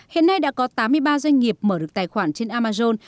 hiện nay đã có tám mươi ba doanh nghiệp mở được tài khoản trên amazon